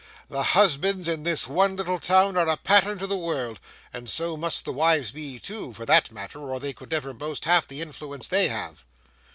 The husbands in this one little town are a pattern to the world, and so must the wives be too, for that matter, or they could never boast half the influence they have!